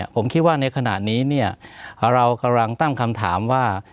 ผมคิดว่าในขณะนี้เนี่ยเรากำลังตั้งคำถามว่า